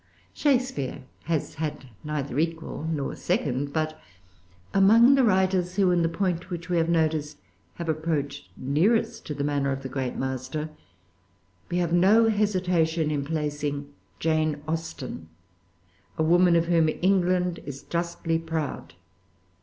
Shakespeare has had neither equal nor second. But among the writers who, in the point which we have noticed, have approached nearest to the manner of the great master, we have no hesitation in placing Jane Austen, a woman of whom England is justly proud.